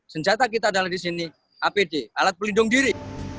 senjata kita adalah di sini apd alat pelindung diri